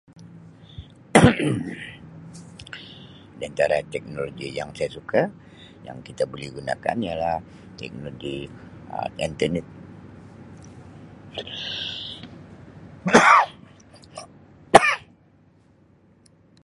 Di antara teknologi yang saya suka yang kita buli gunakan ialah teknologi Um Internet.